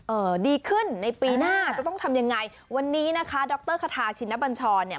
ดีขึ้นในปีหน้าจะต้องทำยังไงวันนี้นะคะดรคาทาชินบัญชรเนี่ย